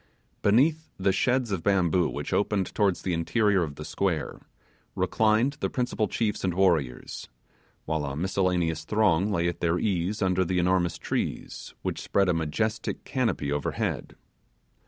Beneath the sheds of bamboo which opened towards the interior of the square reclined the principal chiefs and warriors, while a miscellaneous throng lay at their ease under the enormous trees which spread a majestic canopy overhead.